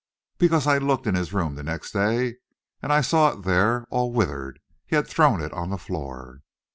"Because I looked in his room the next day, and I saw it there all withered. He had thrown it on the floor!"